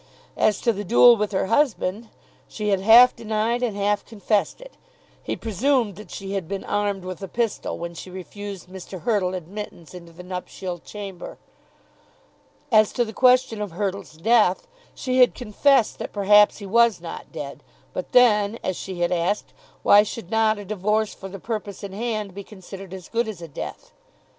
As to the duel with her husband, she had half denied and half confessed it. He presumed that she had been armed with a pistol when she refused Mr. Hurtle admittance into the nuptial chamber. As to the question of Hurtle's death, she had confessed that perhaps he was not dead. But then, as she had asked, why should not a divorce for the purpose in hand be considered as good as a death?